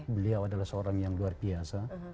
beliau adalah seorang yang luar biasa